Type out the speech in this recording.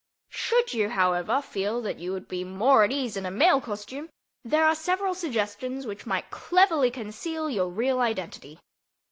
Should you, however, feel that you would be more at ease in a male costume, there are several suggestions which might cleverly conceal your real identity.